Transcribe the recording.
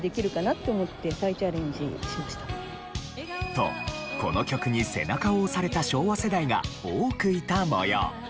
とこの曲に背中を押された昭和世代が多くいた模様。